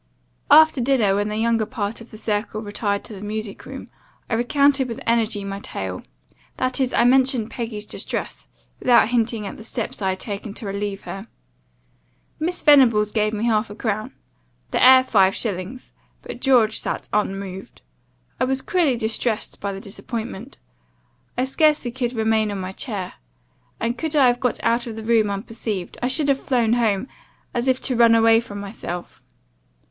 "After dinner, when the younger part of the circle retired to the music room, I recounted with energy my tale; that is, I mentioned Peggy's distress, without hinting at the steps I had taken to relieve her. Miss Venables gave me half a crown; the heir five shillings; but George sat unmoved. I was cruelly distressed by the disappointment I scarcely could remain on my chair; and, could I have got out of the room unperceived, I should have flown home, as if to run away from myself.